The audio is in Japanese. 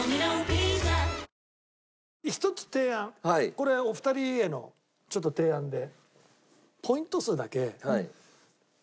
これお二人へのちょっと提案で。